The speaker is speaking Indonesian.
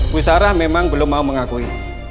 bu sarah memang belum mau mengakui